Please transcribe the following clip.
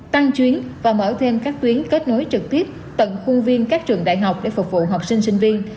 tăng chuyến và mở thêm các tuyến kết nối trực tiếp tận khuôn viên các trường đại học để phục vụ học sinh sinh viên